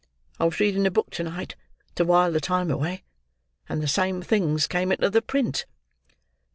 I was reading a book to night, to wile the time away, and the same things came into the print."